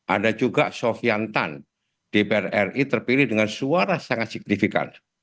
ada juga sofian tan dpr ri terpilih dengan suara sangat signifikan